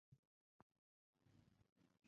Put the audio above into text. د ټولنې د خلکو په ناوړه اعمالو باندې کیږي.